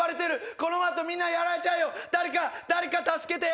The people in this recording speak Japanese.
このままだとみんなやられちゃう誰か誰か助けて！